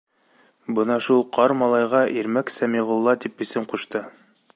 Бына шул ҡар малайға Ирмәк Сәмиғулла тип исем ҡушты.